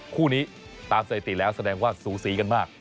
คู่นี้ตามสถิติแล้วแสดงว่าสูสีกันมาก